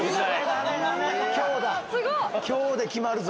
今日で決まるぞ。